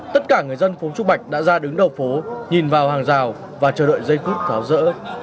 tất cả người dân phố trúc bạch đã ra đứng đầu phố nhìn vào hàng rào và chờ đợi dây cước tháo rỡ